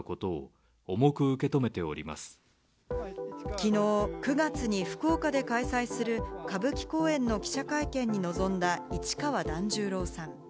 きのう、９月に福岡で開催する歌舞伎公演の記者会見に臨んだ市川團十郎さん。